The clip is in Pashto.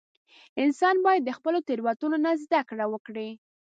• انسان باید د خپلو تېروتنو نه زده کړه وکړي.